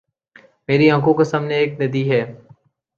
میرے آنکھوں کو سامنے ایک ندی ہے